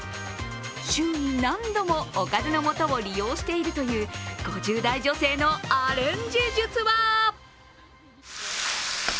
週に何度もおかずの素を利用しているという５０代女性のアレンジ術は？